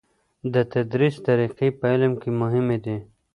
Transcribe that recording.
د تدریس طریقی په علم کې مهمې دي.